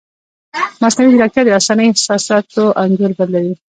مصنوعي ځیرکتیا د انساني احساساتو انځور بدلوي.